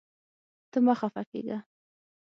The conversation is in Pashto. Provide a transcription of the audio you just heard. ته مه خفه کېږه.